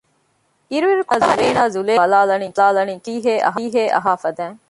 އިރުއިރުކޮޅާ އޭނާ ޒުލޭހާއަށް ބަލާލަނީ ކިހިނެއްވީހޭ އަހާ ފަދައިން